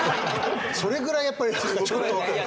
それぐらいやっぱり。